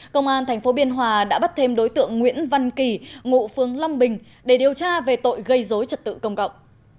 công an thành phố biên hòa đã bắt thêm đối tượng nguyễn văn kỳ ngụ phương lâm bình để điều tra về tội gây dối trật tự công cộng